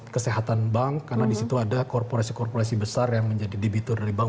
kesehatan bank karena disitu ada korporasi korporasi besar yang menjadi debitur dari bank